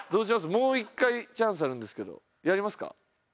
もう１回チャンスあるんですけどやりますか？